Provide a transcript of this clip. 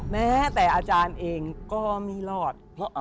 แม้แต่อาจารย์เองก็ไม่รอด